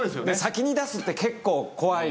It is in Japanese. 先に出すって結構怖いんです。